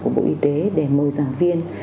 của bộ y tế để mời giảng viên